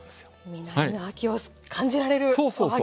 実りの秋を感じられるおはぎ。